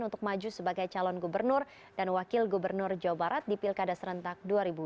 untuk maju sebagai calon gubernur dan wakil gubernur jawa barat di pilkada serentak dua ribu delapan belas